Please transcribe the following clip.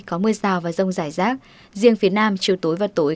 có mưa rào và rông rải rác riêng phía nam chiều tối và tối